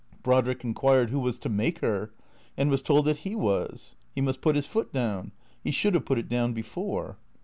Brodrick inquired who was to make her? and was told that he was. He must put his foot down. He should have put it down before.